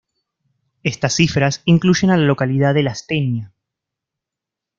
Estas cifras incluyen a la localidad de Lastenia.